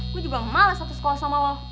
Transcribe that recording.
gue juga malas satu sekolah sama lo